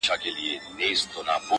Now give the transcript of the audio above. څو پړسېدلي د پردیو په کولمو ټپوسان-